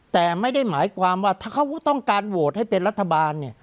แต่ไม่ได้หมายความว่าถ้าเขาต้องการโหวตให้เป็นรัฐบาลเนี่ย